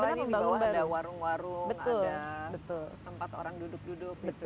kalau dulu kalau tidak salah ini di bawah ada warung warung ada tempat orang duduk duduk gitu ya